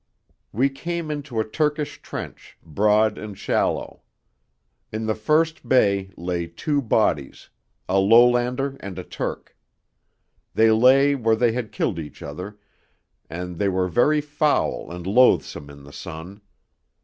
We came into a Turkish trench, broad and shallow. In the first bay lay two bodies a Lowlander and a Turk. They lay where they had killed each other, and they were very foul and loathsome in the sun.